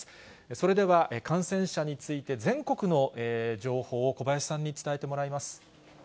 それでは感染者について、全国の情報を小林さんに伝えてもらいます。